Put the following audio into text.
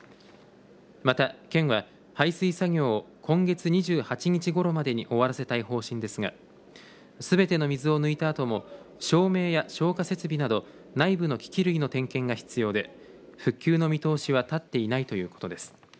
また、県は排水作業を今月２８日ごろまでに終わらせたい方針ですがすべての水を抜いたあとも照明や消火設備など内部の機器類の点検が必要で復旧の見通しは立っていないということです。